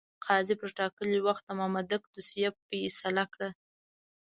قاضي پر ټاکلي وخت د مامدک دوسیه فیصله کړه.